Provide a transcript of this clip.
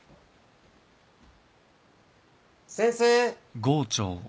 ・先生。